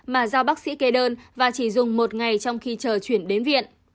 mà do bác sĩ kê đơn và chỉ dùng một ngày trong khi chờ chuyển đến viện